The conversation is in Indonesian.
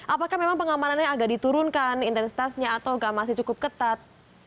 apakah memang pengamanannya agak diturunkan intensitasnya atau nggak masih cukup ketat